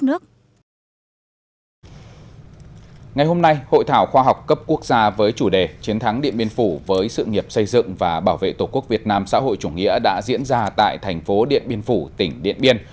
ngày hôm nay hội thảo khoa học cấp quốc gia với chủ đề chiến thắng điện biên phủ với sự nghiệp xây dựng và bảo vệ tổ quốc việt nam xã hội chủ nghĩa đã diễn ra tại thành phố điện biên phủ tỉnh điện biên